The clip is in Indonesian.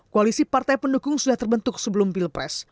koalisi partai pendukung sudah terbentuk sebelum pilpres